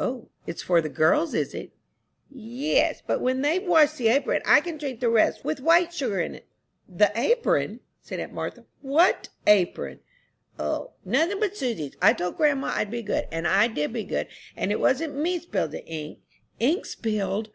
"O, it's for the girls, is it?" "Yes, but when they've washed the apron I can drink the rest with white sugar in." "The apron!" said aunt Martha, "what apron?" "O, nothing but Susy's. I told grandma I'd be good, and I did be good; it wasn't me spilled the ink." "Ink spilled?"